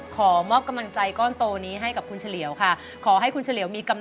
ขอมอบกำลังใจก้อนโตนี้ให้กับคุณเฉลี่ยวค่ะ